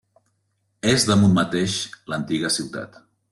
És damunt mateix l'antiga ciutat.